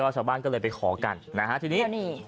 ชาวบ้านก็เลยไปขอกันนะฮะทีนี้นี่